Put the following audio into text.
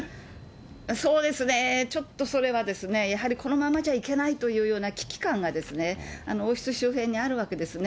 そうですね、ちょっとそれはやはりこのままじゃいけないってような危機感が王室周辺にあるわけですね。